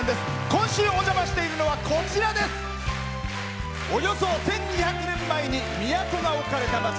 今週、お邪魔しているのはおよそ１２００年前に都が置かれた町。